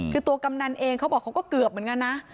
คือตัวกำนันเองเขาบอกเขาก็เกือบเหมือนกันนะ